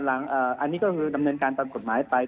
อันนี้ก็คือดำเนินการตามกฎหมายไป